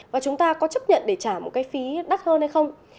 và chúng ta có chấp nhận để trả một cái phí đắt hơn hay không